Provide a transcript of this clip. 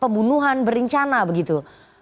pembunuhan berencana begitu